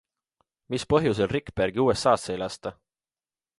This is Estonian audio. Mis põhjusel Rikbergi USAsse ei lasta?